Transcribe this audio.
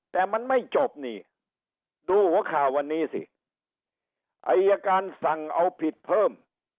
แต่มันไม่จบนี่ดูหัวข่าววันนี้สิอายการสั่งเอาผิดเพิ่ม